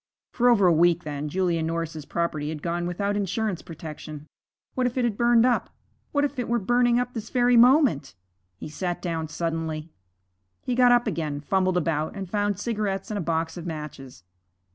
For over a week, then, Julia Norris's property had gone without insurance protection. What if it had burned up? What if it were burning up at this very moment? He sat down suddenly. He got up again, fumbled about, and found cigarettes and a box of matches.